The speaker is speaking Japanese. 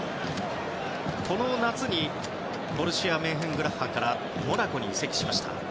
この夏にボルシア・メンヘングラッドバッハからモナコに移籍しました。